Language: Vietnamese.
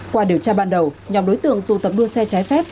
qua điều tra ban đầu nhóm đối tượng tụ tập đua xe trái phép